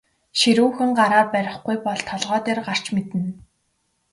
Ширүүхэн гараар барихгүй бол толгой дээр гарч мэднэ.